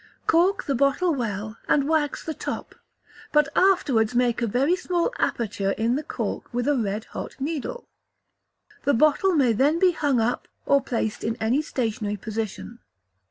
Cork the bottle well, and wax the top, but afterwards make a very small aperture in the cork with a red hot needle. The bottle may then be hung up, or placed in any stationary position.